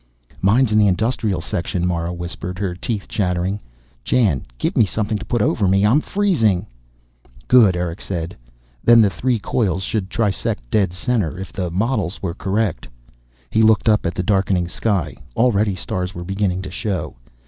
"Mine's in the industrial section," Mara whispered, her teeth chattering. "Jan, give me something to put over me! I'm freezing." "Good," Erick said. "Then the three coils should trisect dead center, if the models were correct." He looked up at the darkening sky. Already, stars were beginning to show.